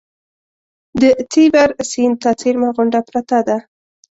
د تیبر سیند ته څېرمه غونډه پرته ده.